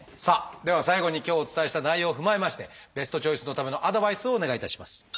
さあでは最後に今日お伝えした内容を踏まえましてベストチョイスのためのアドバイスをお願いいたします。